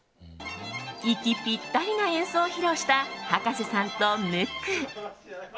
息ぴったりな演奏を披露した葉加瀬さんとムック。